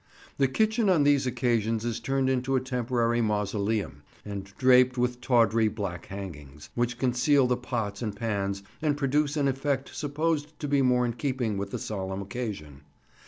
The kitchen on these occasions is turned into a temporary mausoleum, and draped with tawdry black hangings, which conceal the pots and pans, and produce an effect supposed to be more in keeping with the solemn occasion.